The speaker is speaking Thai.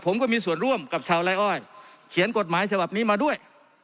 ผมก็มีส่วนร่วมกับชาวไล่อ้อยเขียนกฎหมายฉบับนี้มาด้วย